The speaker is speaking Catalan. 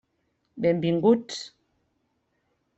Benvinguts.